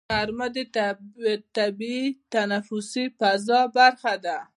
غرمه د طبیعي تنفسي فضا برخه ده